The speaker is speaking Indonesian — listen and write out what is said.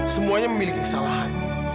semuanya memiliki kesalahan